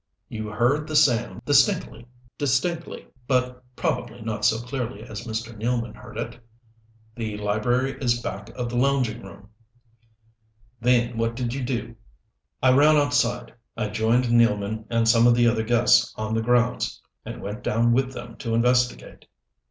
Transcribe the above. "You heard the sound distinctly?" "Distinctly, but probably not so clearly as Mr. Nealman heard it. The library is back of the lounging room." "Then what did you do?" "I ran outside. I joined Nealman and some of the other guests on the grounds, and went down with them to investigate."